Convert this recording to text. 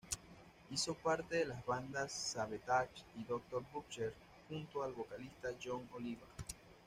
Hizo parte de las bandas Savatage y "Doctor Butcher", junto al vocalista Jon Oliva.